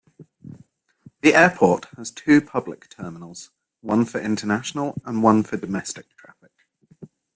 The airport has two public terminals-one for international and one for domestic traffic.